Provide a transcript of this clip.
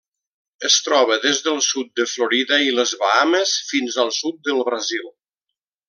Es troba des del sud de Florida i les Bahames fins al sud del Brasil.